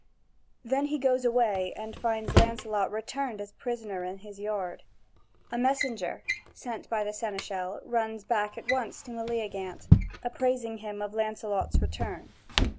Then he goes away and finds Lancelot returned as prisoner in his yard. A messenger, sent by the seneschal, runs back at once to Meleagant, appraising him of Lancelot's return.